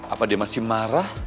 apa dia masih marah